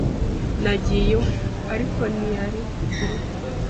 Nagiye iwe, ariko ntiyari mu rugo.